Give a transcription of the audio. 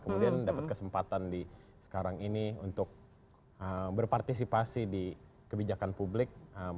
kemudian dapat kesempatan di sekarang ini untuk berpartisipasi di kebijakan publik